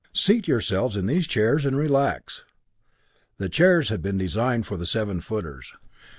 Seat yourselves in these chairs and relax." The chairs had been designed for the seven footers.